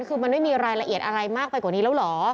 คือมันไม่มีรายละเอียดอะไรมากไปกว่านี้แล้วเหรอ